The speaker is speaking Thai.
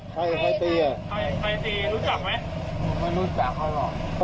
ใครใครตีใครใครตีรู้จักไหมไม่รู้จักไม่รู้